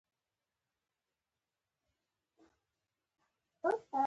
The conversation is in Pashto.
پښتانه د هېواد په ساتنه کې ننګ خوري.